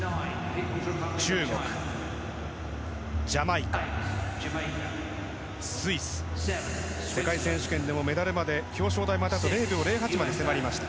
中国、ジャマイカスイス、世界選手権でもメダルまで、表彰台まであと０秒０８まで迫りました。